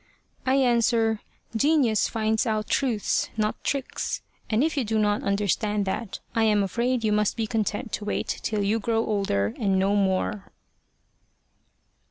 I answer, "Genius finds out truths, not tricks." And if you do not understand that, I am afraid you must be content to wait till you grow older and know more.